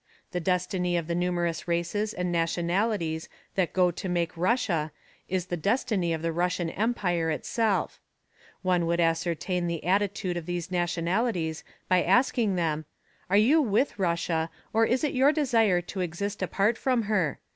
The destiny of the numerous races and nationalities that go to make Russia is the destiny of the Russian Empire itself. One would ascertain the attitude of these nationalities by asking them: "Are you with Russia or is it your desire to exist apart from her?